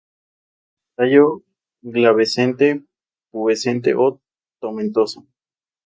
Tallo glabrescente, pubescente o tomentoso.